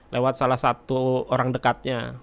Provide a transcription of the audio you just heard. lewat salah satu orang dekatnya